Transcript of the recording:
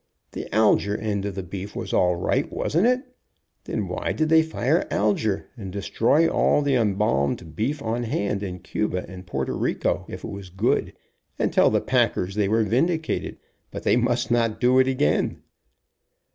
The Alger end of the beef was all right, wasn't it ? Then why did they fire Alger and destroy all the embalmed beef on hand in Cuba and Porto Rico, if it was good, and tell the packers they were vindicated, but they must not do it again?